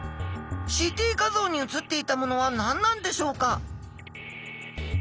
ＣＴ画像に写っていたものは何なんでしょうか？